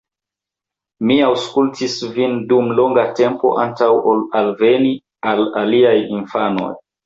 Mi aŭskultis vin dum longa tempo antaŭ ol alvenis la aliaj infanoj.